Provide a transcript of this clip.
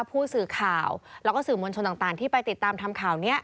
ผู้สื่อข่าวแล้วก็สื่อมวลชนต่างที่ไปติดตามทำข่าวนี้